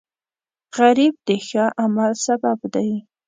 غریب د ښه عمل سبب دی